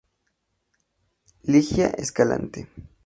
Ligia Escalante